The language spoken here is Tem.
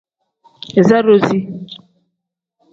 Iza doozi.